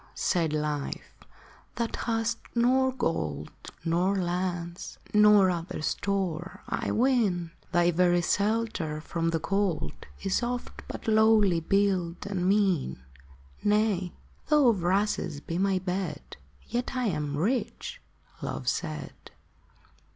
said Life, " that hast nor gold, Nor lands, nor other store, I ween ; Thy very shelter from the cold Is oft but lowly built and mean." " Nay : though of rushes be my bed, Yet am I rich," Love said.